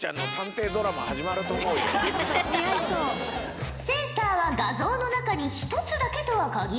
近々センサーは画像の中に１つだけとは限らんぞ。